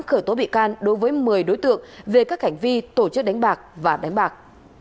khởi tố bị can đối với một mươi đối tượng về các hành vi tổ chức đánh bạc và đánh bạc